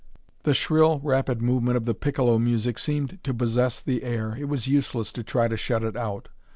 The shrill, rapid movement of the piccolo music seemed to possess the air, it was useless to try to shut it out.